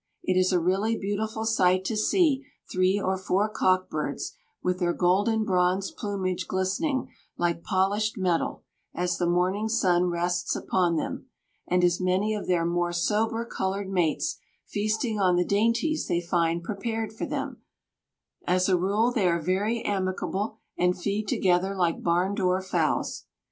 It is a really beautiful sight to see three or four cock birds, with their golden bronze plumage glistening like polished metal as the morning sun rests upon them, and as many of their more sober coloured mates feasting on the dainties they find prepared for them; as a rule, they are very amicable and feed together like barndoor fowls.